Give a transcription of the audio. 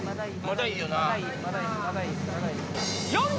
まだいいよな。